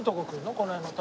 この辺の。